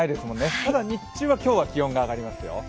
ただ日中は今日は気温が上がりますよ。